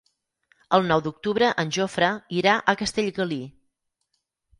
El nou d'octubre en Jofre irà a Castellgalí.